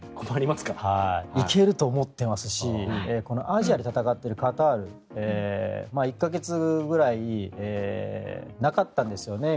行けると思ってますしアジアで戦っているカタール１か月ぐらいなかったんですよね。